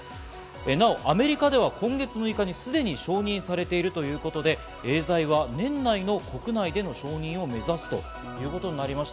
なおアメリカでは今月６日、すでに承認されているということでエーザイは年内の国内での承認を目指すということになりました。